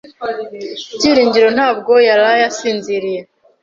Byiringiro ntabwo yaraye asinziriye.